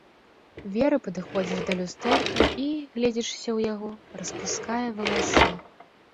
Вера падыходзіць да люстэрка і, гледзячыся ў яго, распускае валасы.